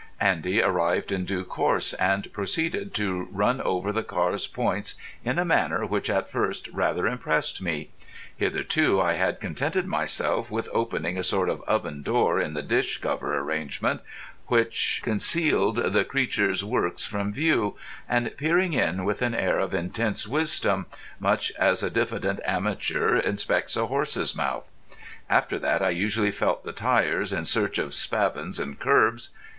Andy arrived in due course, and proceeded to run over the car's points in a manner which at first rather impressed me. Hitherto I had contented myself with opening a sort of oven door in the dish cover arrangement which concealed the creature's works from view, and peering in with an air of intense wisdom, much as a diffident amateur inspects a horse's mouth. After that I usually felt the tyres, in search of spavins and curbs.